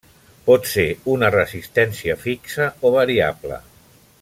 Pot ser una resistència fixa o variable.